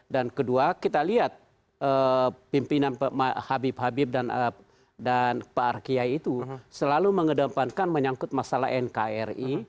dan kedua kita lihat pimpinan habib habib dan pak rkia itu selalu mengedepankan menyangkut masalah nkri